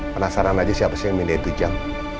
penasaran aja siapa sih yang mindain jam